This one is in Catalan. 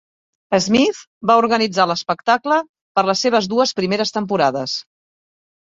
Smith va organitzar l'espectacle per les seves dues primeres temporades.